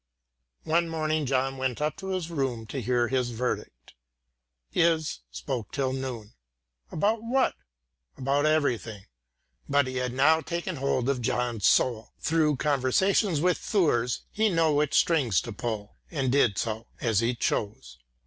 One morning John went up to his room to hear his verdict. Is spoke till noon. About what? About everything. But he had now taken hold of John's soul. Through conversations with Thurs, he know which strings to pull, and did so, as he chose.